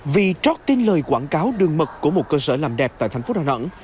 vì trót tin lời quảng cáo đường mật của một cơ sở làm đẹp tại thành phố đà nẵng